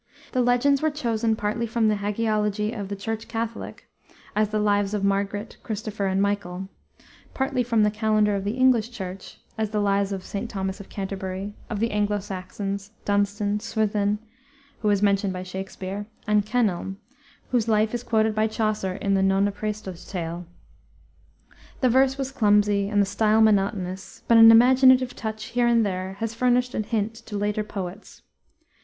The legends were chosen partly from the hagiology of the Church Catholic, as the lives of Margaret, Christopher, and Michael; partly from the calendar of the English Church, as the lives of St. Thomas of Canterbury, of the Anglo Saxons, Dunstan, Swithin who is mentioned by Shakspere and Kenelm, whose life is quoted by Chaucer in the Nonne Presto's Tale. The verse was clumsy and the style monotonous, but an imaginative touch here and there has furnished a hint to later poets.